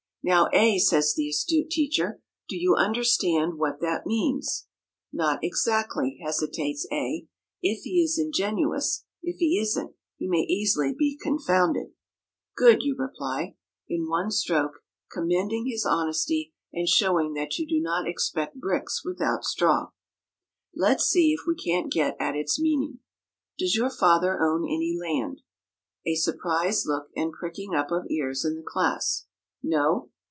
"Now, A," says the astute teacher, "do you understand what that means?" "Not exactly," hesitates A, if he is ingenuous (if he isn't, he may easily be confounded). "Good!" you reply, in one stroke commending his honesty and showing that you do not expect bricks without straw. "Let's see if we can't get at its meaning. Does your father own any land?" (A surprised look and pricking up of ears in the class). "No?